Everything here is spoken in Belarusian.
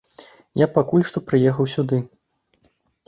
Я пакуль што прыехаў сюды.